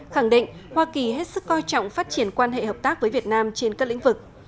khẳng định hoa kỳ hết sức coi trọng phát triển quan hệ hợp tác với việt nam trên các lĩnh vực